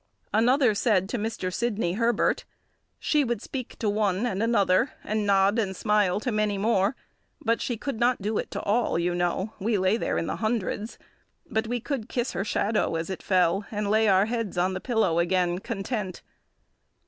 Another said to Mr. Sidney Herbert, "She would speak to one and another, and nod and smile to many more; but she could not do it to all, you know—we lay there in hundreds—but we could kiss her shadow as it fell, and lay our heads on the pillow again, content."